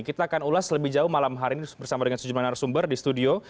kita akan ulas lebih jauh malam hari ini bersama dengan sejumlah narasumber di studio